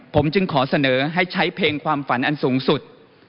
ผมจึงขอเสนอให้ใช้เพลงความฝันอันสูงสุด